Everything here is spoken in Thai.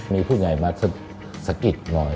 มีผู้ใหญ่มาสะกิด